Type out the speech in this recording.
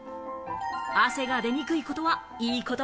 汗が出にくいことは、いいこと？